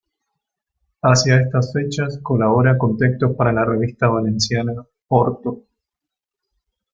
Hacia estas fechas colabora con textos para la revista valenciana "Orto".